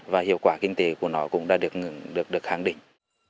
và hiệu quả kinh tế của nó cũng đã được khẳng định